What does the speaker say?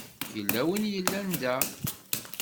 Yella win i yellan da?